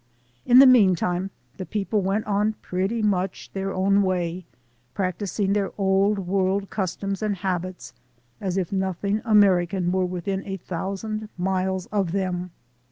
In the meantime, the people went on pretty much their own way, practising their Old World customs and habits as if nothing American were within a thousand miles of them.